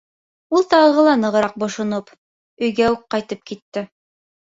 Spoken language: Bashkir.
Ул, тағы нығыраҡ бошоноп, өйгә үк ҡайтып китте.